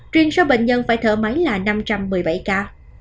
truyền số bệnh nhân phải thở máy là năm trăm một mươi bảy ca